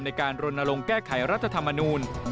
ในการลนลงแก้ไขรัฐธรรมนูล